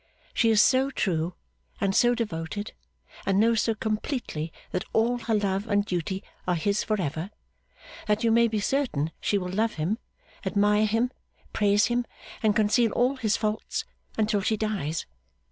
She is so true and so devoted, and knows so completely that all her love and duty are his for ever, that you may be certain she will love him, admire him, praise him, and conceal all his faults, until she dies.